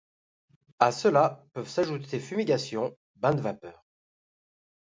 À cela peuvent s'ajouter fumigation, bains de vapeurs...